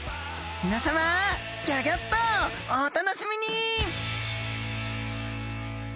みなさまギョギョッとお楽しみに！